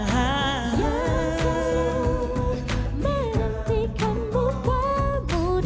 yang sesuai menentikanmu pemuda